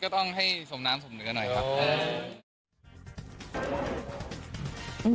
ก็ต้องให้ส่งน้ำสมเหนือหน่อยครับ